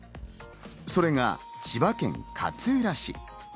それが千葉県勝浦市。